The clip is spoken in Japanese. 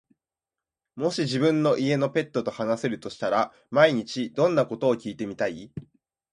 もし自分の家のペットと話せるとしたら、毎日どんなことを聞いてみたい？